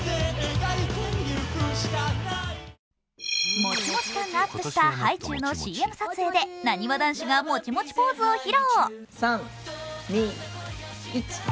もちもち感がアップしたハイチュウのＣＭ撮影でなにわ男子がもちもちポーズを披露。